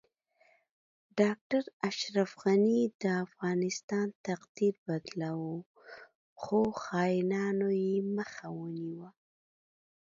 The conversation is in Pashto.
ډاکټر اشرف غنی د افغانستان تقدیر بدلو خو خاینانو یی مخه ونیوه